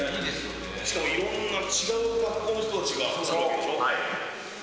しかもいろんな違う学校の人たちが集まるわけでしょ？